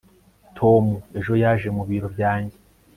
tom ejo yaje mu biro byanjye